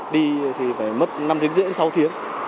đi thì phải mất năm tiếng rưỡi sáu tiếng